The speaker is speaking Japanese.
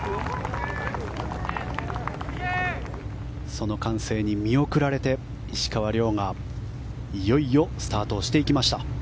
その歓声に見送られて石川遼がいよいよスタートしていきました。